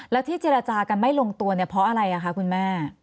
แล้วที่เจรจากันไม่ลงตัวเนี่ยเพราะอะไรคะคุณแม่